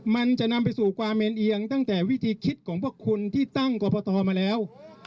มันจะนำไปสู่ความเมนเอียงตั้งแต่วิธีคิดของพวกคุณที่ตั้งกรกตมาแล้ว